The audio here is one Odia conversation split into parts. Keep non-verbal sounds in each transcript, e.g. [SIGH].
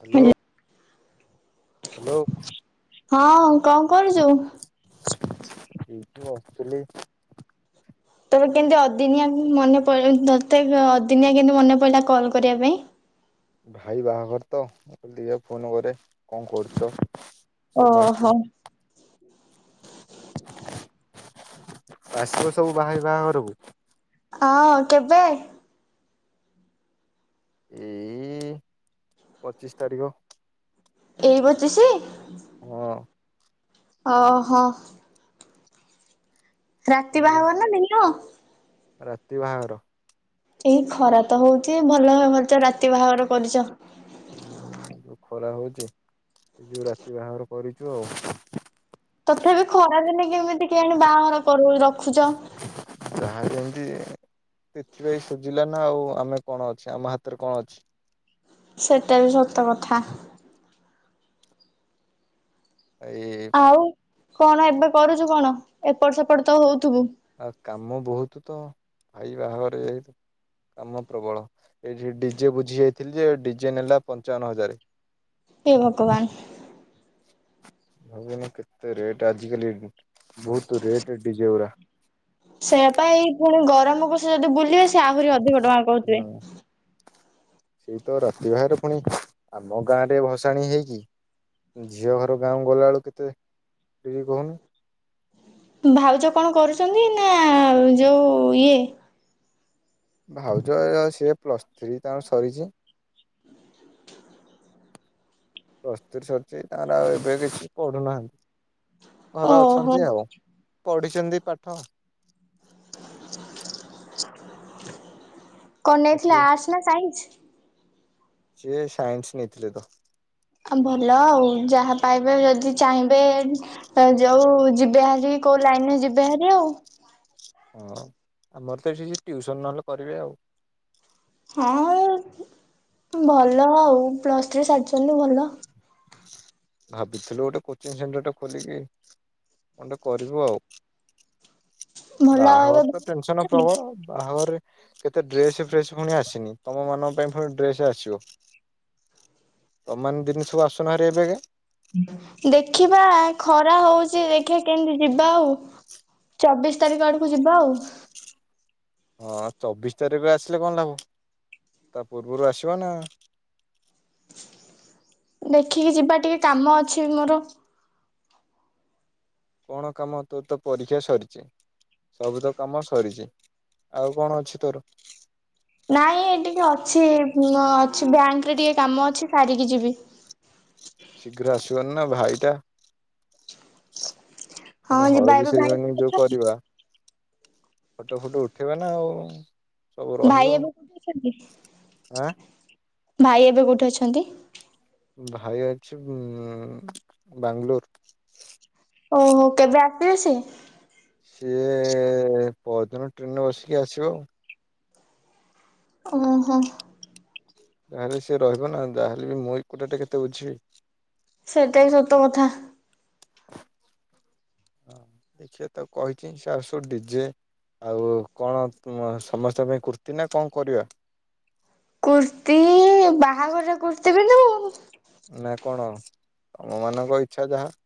ହାଲୋ। ହ୍ୟାଲୋ। ହାଲୋ। ହଁ କଣ କରୁଛୁ। ଏଇଠି ବସଥିଲି। ତୋର କେମତି ଅଦିନିଆ ଉମ ମନେ ପ ତତେ ଅ ଅଦିନିଆ କେମତି ମନେ ପଇଲା କଲ କରିବା ପାଇଁ। ଭାଇ ବାହାଘର ତ ମୁଁ କହିଲି ଟିକେ ଫୋନ କରେ। କଣ କରୁଛ ଓହୋ। ସମସ୍ତେ। ଆସିବ ସବୁ ଭାଇ ବାହାଘରକୁ। ହଁ କେବେ। ଏଇ ପଚିଶ ତାରିଖ। ଏଇ ପଚିଶି। ହଁ ଓହୋ। ରାତି ସବୁ ବାହାଘର ନା ଦିନ। ରାତି ବାହାଘର। ଏଇ ଖରା ତ ହଉଛି ଭଲ କରିଚ ରାତି ବାହାଘର କରିଚ। ହୁଁ ଯୋଉ ଖରା ହଉଛି ସେଇ ଯୋଗୁ ରାତି ବାହାଘର କରିଛୁ ଆଉ। ତଥାପି ଖରାଦିନି କେମିତି କିଆଣି ବାହାଘର କରୁ ରଖୁଛ। ସେଥିପାଇଁ ସୁଝିଲା ନା ଆଉ ଆମେ କଣ ଅଛେ ଆମ ହାତରେ କଣ ଅଛି। ସେଟା ବି ସତ କଥା। ଏଇ ଆଉ ପ କଣ ଏବେ କରୁଛୁ କଣ ଏପଟ ସେପଟ ତ ହଉ। ଥୁବୁ। ଆଉ କାମ ବହୁତୁ ତ ଭାଇ ବାହାଘରେ ଏଇ ତ କାମ ପ୍ରବଳ ଏଇଠି ଡି ଜେ ବୁଝି ଯାଇଥିଲି ଯେ ଡି ଜେ ନେଲା ପଞ୍ଚାବନ ହଜାରେ। ଏ ଭଗବାନ। ଭଗବାନ କେତେ ରେଟ ଆଜିିକାଲି। ବହୁତୁ ରେଟ ଡି ଜେ ଗୁରା। ସେୟା ପା ଏଇ ପୁଣି ଗରମ କୁ ଯଦି ବୁଲିବେ ସେ ଆହୁରି ଅଧିକ ଟଙ୍କା କହୁଥିବେ। ହୁଁ ସେଇ ତ ରାତି ବାବାଘର ପୁଣି ଆମ ଗାଁ ରେ ଭସାଣି ହେଇକି ଝିଅ ଘର ଗାଁ ଗଲା ବେଳୁ କେତେ ଠି କହୁନୁ। ଭାଉଜ କଣ କରୁଛନ୍ତି ନା ଯୋଉ ଇଏ। ଭାଉଜ ସିଏ ପ୍ଲସ ଥ୍ରୀ ତାଙ୍କ ସରିଛି। ପ୍ରସ ତ୍ରି ସରଛି ତାଙ୍କର ଆଉ ଏବେ କିଛି ପଢୁନାହାନ୍ତି। ଘରେ ଓହୋ ଅଛନ୍ତି ଆଉ। ପଢ଼ିଛନ୍ତି ପାଠ। [INAUDIBLE] କଣ ଏଠି ନେଇଥିଲା ଆର୍ଟସ୍ ନା ସାଇନ୍ସ ସିଏ ସାଇନ୍ସ ନେଇଥିଲେ ତ ଭଲ ଆଉ ଯାହା ପାଇବେ ଯଦି ଚାହିଁବେ ଯୋଉ ଯିବେ ହାରି କୋଉ ଲାଇନରେ ଯିବେ ହାରି ଆଉ ହଁ ଆମର ତ ଯୋଉ ଟିଉସନ ନହେଲେ କରିବେ ଆଉ ହଁ ଭଲ ଆଉ ପ୍ଲସ୍ ଥ୍ରୀ ସାରିଛନ୍ତି ଭଲ। ଭାବିଥିଲୁ ଗୋଟେ କୋଚିଂ ସେଣ୍ଟର ଟା ଖୋଲିକି ଗୋଟେ କରିବୁ ଆଉ। ଭଲ ଆଉ ବାହାଘର ଏବେ ତ ଟେନସନ ପ୍ରବଳ ବାହାଘରରେ। କେତେ ଡ୍ରେସ ଫ୍ରେସ ପୁଣି ଆସିନି ତମ ମାନଙ୍କ ପାଇଁ ପୁଣି ଡ୍ରେସ ଆସିବ ତମ ଦିନି ସବୁ ଆସୁନ ହେରି ଏବେ କା ଦେଖିବା ଖରା ହଉଛି ଦେଖିବା କେମିତି ଯିବା ଆଉ ଚବିଶ ତାରିଖ ଆଡକୁ ଯିବା ଆଉ। ହଁ ଚବିଶ ତାରିଖରେ ଆସିଲେ କଣ ଲାଭ ତା ପୂର୍ବରୁ ଆସିବ ନା। ଦେଖିକି ଯିବା ଟିକେ କାମ ଅଛି ମୋର। କଣ କାମ ତୋର ତ ପରୀକ୍ଷା ସରିଛି ସବୁ ତ କାମ ସରିଛି ଆଉ କଣ ଅଛି ତୋର। ନାଇଁ ଟିକେ ଅଛି ଅଛି ଏ ବ୍ୟାଙ୍କରେ ଟିକେ କାମ ଅଛି ସାରିକି ଯିବି। ଶୀଘ୍ର ଆସିବନି ନା ଭାଇଟା ହଁ ପୁଣି ଯିବା ହଳଦୀ ଇବା ଭାଇ ସେରିମନି ଯୋଉ ଦେଖିବାନି। କରିବା ଫଟୋ ଫୁଟ ଉଠେଇବା ନା ଆଉ। ସବୁ ରହିବ ଭାଇ ଏବେ କୋଉଠି ଅଛନ୍ତି? ଆଁ ଭାଇ ଏବେ କୋଉଠି ଅଛନ୍ତି? ଭାଇ ଅଛି ଉ ବାଙ୍ଗଲୋର। ଓହୋ କେବେ ଆସିବେ ସେ ସିଏ ପଦିନ ଟ୍ରେନ ରେ ବସିକି ଆସିବ ଆଉ। ଓ ହୋ। ଯାହେଲେ ସି ରହିବ ନା ଯହେଲେ ବି ମୁଁ ଏକୁଟିଏ କେତେ ବୁଝିବି? ସେଇଟା ସତ କଥା। ହ ଦେଖେ ତ କହିଛି ସେ ଆସୁ ଡିଜେ ଆଉ କଣ ସମସ୍ତଙ୍କ ପାଇଁ କୁର୍ତ୍ତି ନା କଣ କରିବା। କୁର୍ତ୍ତିୀ ବାହାଘରର କୁର୍ତି ପିନ୍ଧିବୁ ନା କଣ? ଆମମାନଙ୍କ ଇଚ୍ଛା ଯାହା।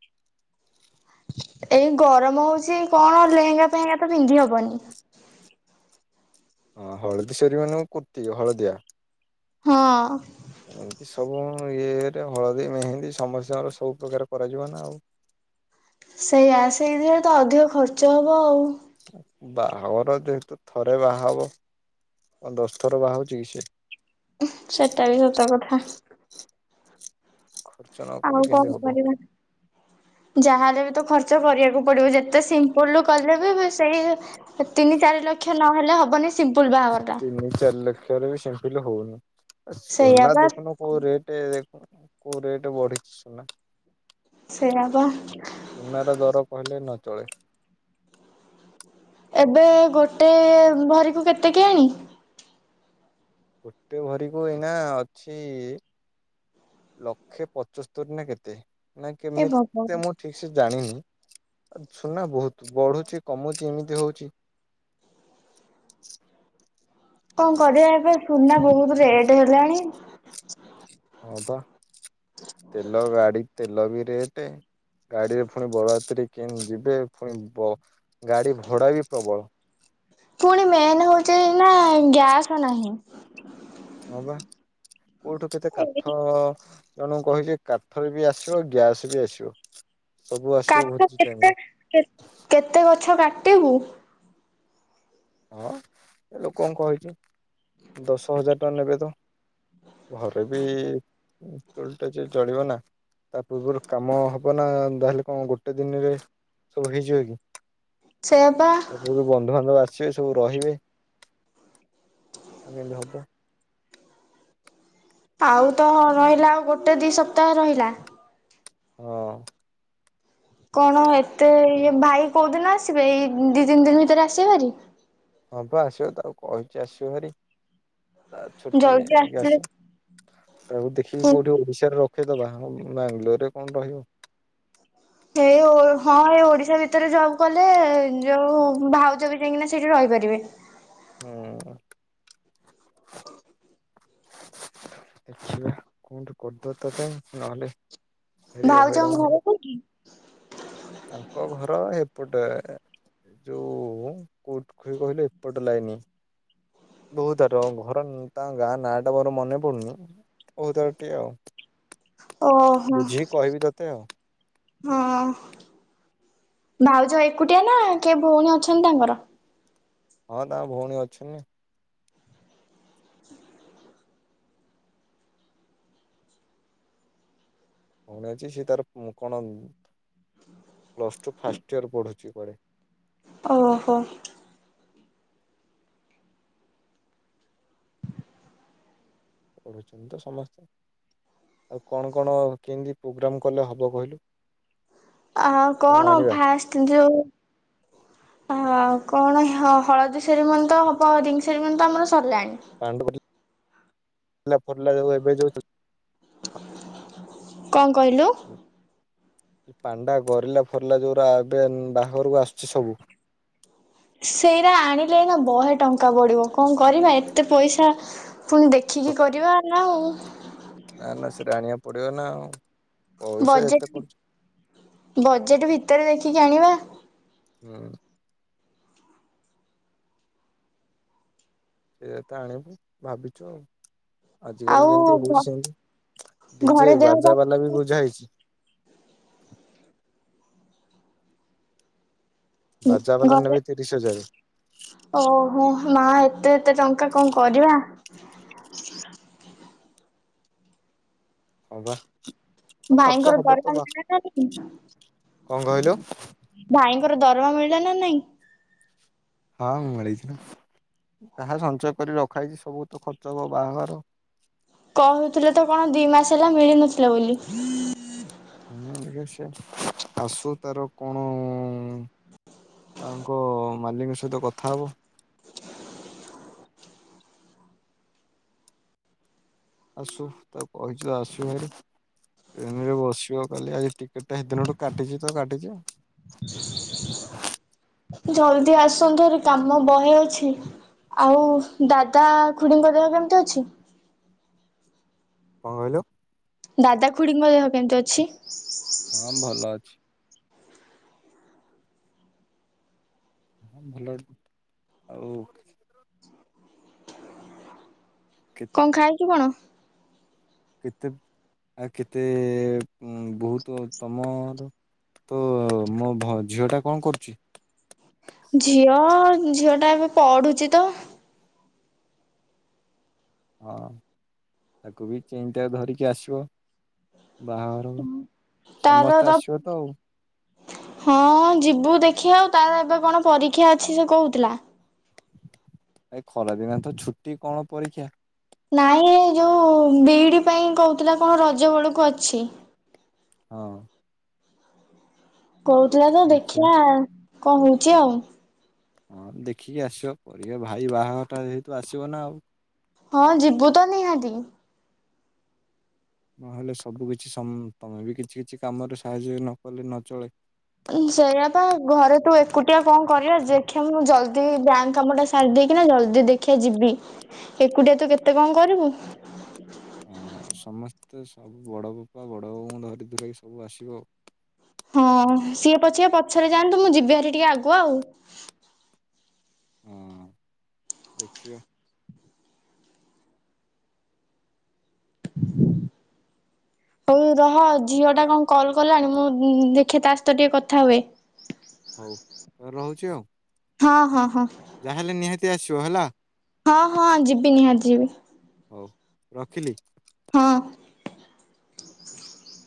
ଏଇ ଗରମ ହଉଛି କଣ ଲେହେଙ୍ଗା ଫେହେଙ୍ଗା ତ ପିନ୍ଧି ହବନି। ହଁ ହଳଦୀ ସେରିମନୀଙ୍କୁ କୁର୍ତ୍ତି ହଳଦିଆ ହଁ। ଏମିତି ସବୁ ଇଏରେ ହଳଦୀ ମେହେନ୍ଦୀ ସମସ୍ତଙ୍କର ସବୁ ପ୍ରକାର କରାଯିବ ନା ଆଉ। ସେଇଆ ସେଇଥିରେ ତ ଅଧିକ ଖର୍ଚ୍ଚ ହବ ଆଉ। ବାହାଘର ଯେହେତୁ ଥରେ ବାହା ହବ କଣ ଦଶ ଥର ବାହା ହଉଛି କି ସେ। ସେଇଟା ବି ସତ କଥା। ଖୁର୍ ଆଉ କଣ କରିବା ଯାହାଲେ ବି ତ ଖର୍ଚ୍ଚ କରିବାକୁ ପଡିବ ଯେତେ ସିମ୍ପଲ କଲେ ବି ସେଇ ତିନି ଚାରି ଲକ୍ଷ ନହେଲେ ହବନି। ସିମ୍ପୁଲ ବାହାଘର ଟା। ଖେର ବି ସେମପିଲ ରେ ହଉନି। ଏ ସେଇଆ ସୁନା ବା ଦେଖୁନ କୋଉ ରେଟେ ଦେ କୋଉ ରେଟ୍ ବଢିଛି ସୁନା? ସେଇଆ ବା ସୁନା ର ଦର କହିଲେ ନ ତଳେ ଏବେ ଗୋଟେ ଭରିକୁ କେତେ କିଆଣି? ଗୋଟେ ଭରିକୁ ଏଇନା ଅଛି ଲକ୍ଷେ ପଞ୍ଚସ୍ତରୀ ନା କେତେ। ନା ଏ ଭଗବାନ କେମିତି ମୁଁ ଠିକ ସେ ଜାଣିନି। ସୁନା ବହୁତ ବଢୁଚି କମୁଚି ଏମିତି ହଉଚି। କଣ କରିବା ଏବେ ସୁନା ବହୁତ ରେଟ୍ ହେଲାଣି? ହଁ ପା ତେଲ ଗାଡି ତେଲ ବି ରେଟେ ଗାଡିରେ ଫୁଣି ବରରାତ୍ରୀ କେମତି ଯିବେ ଫୁଣି ବ ଗାଡ଼ି ଭଡ଼ା ବି ପ୍ରବଳ। ପୁଣି ମେନ୍ ହଉଚି ନା ଗ୍ୟାସ୍ ନାହିଁ। ହଁ ପା। କୋଉଠୁ କେତେ ଏଇ କାଠ ଜଣଙ୍କୁ କହିଚି କାଠ ବି ଆସିବ, ଗ୍ୟାସ୍ ବି ଆସିବ। ସବୁ ଆସିବ କାଠ ଭୋଜି ଟାଇମ କେତେ ରେ କେତେ ଗଛ କା ଟି ବୁ ହଁ ଏ ଲୋକଙ୍କୁ କହିଚି ଦଶ ହଜାର ଟଙ୍କା ନେବେ ତ, ଘରେ ବି [UNINTELLIGIBLE] ଚଳିବ ନା ତା ପୂର୍ବରୁ କାମ ହବ ନା ତାହେଲେ କଣ ଗୋଟେ ଦିନରେ ସବୁ ହେଇଯିବ କି। ସେଇଆ ପା ତା ପୁରୁ ବନ୍ଧୁବାନ୍ଧବ ଆସ ସିଏ ସବୁ ରହିବେ ଆମ ଏମତି ହବ ଆଉ ତ ରହିଲା ଆଉ ଗୋଟେ ଦି ସପ୍ତାହ ରହିଲା। ହଁ। କଣ ଏତେ ଇଏ ଭାଇ କୋଉ ଦିନ ଆସିବେ ଏଇ ଦି ତିନି ଦିନ ଭିତରେ ଆସିବେ ଭାରି? ହଁ ପା ଆସିବ ତାକୁ କହିଚି ଆସିବ ଭାରି। ତା ଛୁଟି ଜଲଦି ନେଇକି ଆସିଥିଲେ ଆସିବ, ତାକୁ ଦେଖିକି କୋଉଠି ଓଡିଶାର [UNINTELLIGIBLE] ଦବା ହଁ ବାଙ୍ଗାଲୋରରେ କଣ ରହିବ। ଏଇଅ ହଁ ଏଇ ଓଡିଶା ଭିତରେ ଜବ୍ କଲେ ଯୋଉ ଭାଉଜ ବି ଯାଇକିନା ସେଇଠି ରହିପାରିବେ। ହୁଁ ଦେଖିବା କଣ ଗୋଟେ କର ଦବା ଚଥାପି ନହଲେ ଭାଉଜଙ୍କ ଘର କୋଉଠି? ତାଙ୍କ ଘର ହେପଟେ ଯୋଉ କୋଉଠୁ କିଏ କହିଲେ ଏପଟ ଲାଇନି, ବହୁତ ଆ-ରଙ୍ଗ ଘର ତାଙ୍କ ଗାଁ ନାଁ ଟା ମୋର ମନେ ପଡୁନି ବହୁ ତାର ଟି ଆଉ। ଓହୋ ବୁଝିକି କହିବି ତତେ ଆଉ। ହଁ ଭାଉଜ ଏକୁଟିଆ ନା କିଏ ଭଉଣୀ ଅଛନ୍ତି ତାଙ୍କର? ହଁ ତାଙ୍କ ଭଉଣୀ ଅଛି ନା। ହଁ ଭଉଣୀ ଅଛି ସିଏ ତାର ଉଁ, କଣ ପ୍ଲସ୍ ଟୁ ଫାଷ୍ଟ ଇୟର ପଢ଼ୁଛି କୁଆଡ଼େ। ଓହୋ। ପଢ଼ୁଚନ୍ତି ତ ସମସ୍ତେ, ଆଉ କଣ କଣ କେମିତି ପ୍ରୋଗ୍ରାମ୍ କଲେ ହବ କହିଲୁ? ଆ କଣ ଫାଷ୍ଟ ଯୋଉ ହ କଣ ହ ହଳଦୀ ସେରୀମନି ତ ହବ ରିଙ୍ଗସେରୀମନି ତ ଆମର ସର୍ ଲାଣି। [UNINTELLIGIBLE] କଁଅଁ କଇଲୁ? ପାଣ୍ଡା ଗରିଲା ଫରିଲା ଯୋଉରା ଏବେ ବାହାଘରକୁ ଆସୁଛି ସବୁ ସେଇରା ଆଣିଲେ ଏଇନା ବହେ ଟଙ୍କା ପଡିବ। କଣ କରିବା ଏତେ ପଇସା? ପୁଣି ଦେଖିକି କରିବା ନାଇଁ। ନା ନା ସେ ଆଣିବା ପଡିବ ନା ଆଉ ପଇସା ଏତେ ବଜେଟ ଖର୍ଚ୍ଚ ବଜେଟ ଭିତରେ ଦେଖିକି ଆଣିବା। ହୁଁ। ସେଇରା ତ ଆଣିବୁ ଭାବିଚୁ ଆଉ। ଆଜ କାଲି ଆଉ ଯେମିତି ଘ ହଉଚି ସେମିତି ଡିଜେ ଘରେ ଦେହ ପା ବାଜା ବାଲା ବି ବୁଝା ହେଇଚି। ବାଜା ବାଲା ଘରେ ନେବେ ତିରିଶ ହଜାର। ଓହୋ ମା ଏତେ ଏତେ ଟଙ୍କା କଣ କରିବା? ହ ପା। ଭାଇଙ୍କର ଦରମା ମିଳିଲା ନାଁ କଣ କହିଲୁ ଭାଇଙ୍କର ଦରମା ମି ଳା ନା ନାଇଁ? ହଁ ମିଳିଚି ନା ଯାହା ସଞ୍ଚୟ କରି ରଖା ହେଇଛି ସବୁ ତ ଖର୍ଚ୍ଚ ହବ ବାହାଘର କହୁଥିଲେ ତ କଣ ଦି ମାସ ହେଲା ମିଳିନଥିଲା ବୋଲି? ହୁଁ ସେ ଆସୁ ତାର କଣ ତାଙ୍କ ମାଲିକ ସହିତ କଥା ହବ। ଆସୁ ତାକୁ କହିଚି ତ ଆସିବ ହେରି ଟ୍ରେନ ରେ ବସିବ କାଲି ଆଜି ଟିକେଟ ଟା ହେଦିନ ଠୁ କାଟିଚି ତ କାଟିଚି। ଜଲଦି ଆସନ୍ତୁ ହେରି କାମ ବହେ ଅଛି। ଆଉ ଦାଦା ଖୁଡିଙ୍କ ଦେହ କେମିତି ଅଛି? କଣ କଇଲୁ? ଦାଦା ଖୁଡିଙ୍କ ଦେହ କେମିତି ଅଛି? ହଁ ଭଲ ଅଛି ହଁ ଭଲ ଆଉ କେ କଣ ଖାଇଛୁ କଣ? କେତେ ଆ କେତେ ବହୁତ ତମର ତୋ-ମୋ-ଭ ଝିଅ ଟା କଣ କରୁଚି? ଝିଅ ଝିଅ ଟା ଏବେ ପଢୁଚି ତ ହଁ ତାକୁ ବି [UNINTELLIGIBLE] ଧରିକି ଆସିବ ବାହାଘର। ସମସ୍ତେ ଆସିବ ତ ଆଉ ହଁ ଯିବୁ ଦେଖିଆ ଆଉ ତାର ଏବେ କଣ ପରୀକ୍ଷା ଅଛି ସେ କହୁଥିଲା। ଏ ଖରା ଦିନ ତ ଛୁଟି। କଣ ପରୀକ୍ଷା? ନାଇଁ ଯୋଉ ବି ଇ ଡି ପାଇଁ କହୁଥିଲା କଣ ରଜ ବେଳକୁ ଅଛି। ହଁ। କଉଥିଲା ତ ଦେଖିବା ଦେଖିଆ। କଣ ହଉଛି ଆଉ। ହଁ ଦେଖିକି ଆସିବ ପରିବାର ଭାଇ ବାହାଘରଟା ଯେହେତୁ ଆସିବ ନା ଆଉ। ହଁ ଯିବୁ ତ ନିହାତି। ନହେଲେ ସବୁ କିଛି ତମେ ବି କିଛି କିଛି କାମରେ ସାହାଯ୍ୟ ନ କଲେ ନ ଚଳେ। ସେଇଆପା ଘରେ ତୁ ଏକୁଟିଆ କଣ କରିଆ। ଦେଖିବା ମୁ ଜଲଦି ବ୍ୟାଙ୍କ କାମ ଟା ସାରି ଦେଇକିନା ଜଲଦି ଦେଖିଆ ଯିବି। ଏକୁଟିଆ ତୁ କେତେ କଣ କରିବୁ। ହଁ ସମସ୍ତେ ସବୁ ବଡ ବାପା ବଡ ବାଉଙ୍କୁ ଧରି ଧୁରାକି ସବୁ ଆସିବ ଆଉ। ହଁ ସିଏ ପଛେ ପଛରେ ଯାଆନ୍ତୁ। ମୁଁ ଯିବି ହାରି ଟିକେ ଆଗୁଆ ଆଉ। ହଁ [INAUDIBLE] ଦେଖିବା। ହଉ ରହ ଝିଅ ଟା କଣ କଲ କଲାଣି ମୁଁ ଦେଖେ ତା ସହିତ ଟିକେ କଥା ହୁଏ। ହଉ ରହୁଛି ଆଉ। ହଁ ହଁ ହଁ। ଯାହାହେଲେ ନିହାତି ଆସିବ ହେଲା। ହଁ ହଁ ଯିବି ନିହାତି ଯିବି। ହଉ ରଖିଲି। ହଁ। [INAUDIBLE]